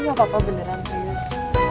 gapapa beneran serius